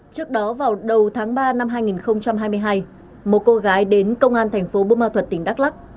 trước đó vào đầu tháng ba năm hai nghìn hai mươi hai một cô gái đến công an tp bumal thuật tỉnh đắk lắc